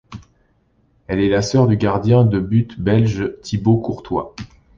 Elle est la sœur du gardien de but belge Thibaut Courtois.